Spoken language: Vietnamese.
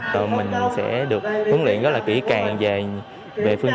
rồi mình sẽ được huấn luyện rất là kỹ càng về phương diện về công an